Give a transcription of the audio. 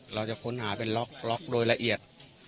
เราจะค้นหาเป็นล็อกโดยละเอียด